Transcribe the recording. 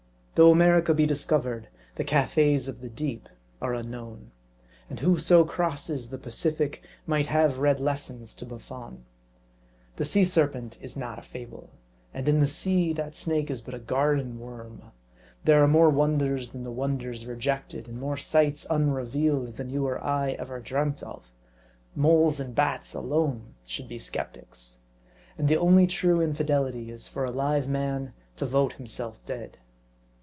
Though America be discovered, the Cathays of the deep are unknown. And whoso crosses the Pacific might have read lessons to Buffbn. The sea serpent is not a fable ; and in the sea, that snake is but a garden worm. There are more wonders than the wonders rejected, and more sights unrevealed than you or I ever ever dreamt of. Moles and bats alone should be skeptics ; and the only true infidelity is for a live man to vote himself dead.